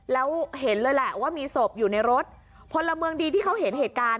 แล้วเห็นเลยแหละว่ามีศพอยู่ในรถพลเมืองดีที่เขาเห็นเหตุการณ์